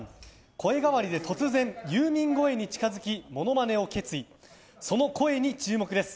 声変わりで突然、ユーミン声に近づきその声に注目です。